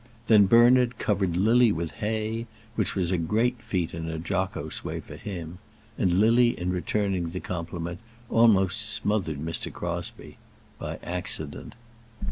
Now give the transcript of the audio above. Then Bernard covered Lily with hay, which was a great feat in the jocose way for him; and Lily in returning the compliment, almost smothered Mr. Crosbie, by accident.